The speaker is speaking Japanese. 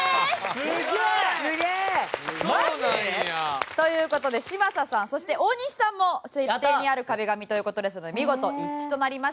そうなんや。という事で嶋佐さんそして大西さんも設定にある壁紙という事ですので見事一致となりまして１０ポイント獲得です！